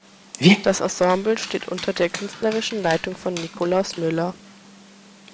Das Ensemble steht unter der künstlerischen Leitung von Nikolaus Müller.